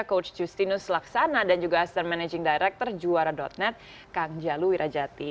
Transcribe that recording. coach justinus laksana dan juga astan managing director juara net kang jalu wirajati